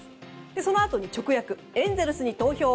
そのあとに直訳エンゼルスに投票。